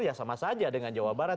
ya sama saja dengan jawa barat